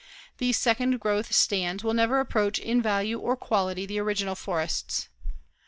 These second growth stands will never approach in value or quality the original forests.